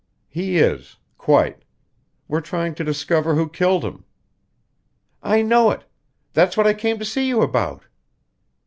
"He is quite. We're trying to discover who killed him." "I know it. That's what I came to see you about."